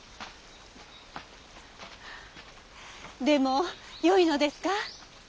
でもよいのですか？